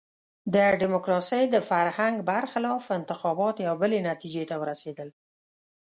د ډیموکراسۍ د فرهنګ برخلاف انتخابات یوې بلې نتیجې ته ورسېدل.